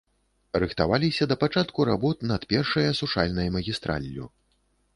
Рыхтаваліся да пачатку работ над першай асушальнай магістраллю.